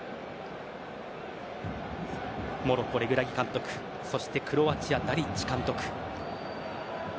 モロッコ、レグラギ監督そしてクロアチア、ダリッチ監督。